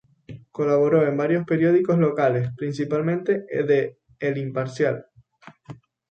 Colaboró en varios periódicos locales, principalmente de "El Imparcial".